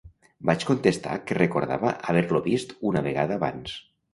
Vaig contestar que recordava haver-lo vist una vegada abans.